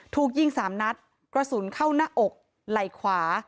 ถูกยิงสามนัดกระสุนเข้าหน้าอกไหล่ขวา